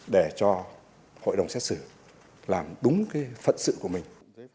để cho hội đồng xét xử làm đúng cái phận sự của mình